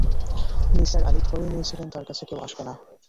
নিসার আলি ধরেই নিয়েছিলেন তাঁর কাছে কেউ আসবে না।